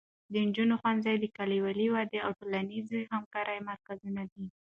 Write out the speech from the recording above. د نجونو ښوونځي د کلیوالو ودې او ټولنیزې همکارۍ مرکزونه دي.